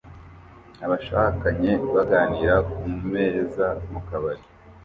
Abashakanye baganira kumeza mukabari